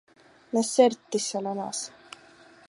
Не сердьтеся на нас.